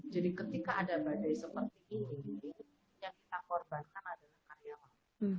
jadi ketika ada badai seperti ini yang kita korbankan adalah karyawan